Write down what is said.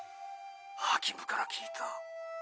ハキムから聞いた。